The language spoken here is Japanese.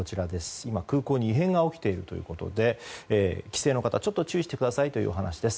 今、空港に異変が起きているということで帰省の方ちょっと注意してくださいというお話です。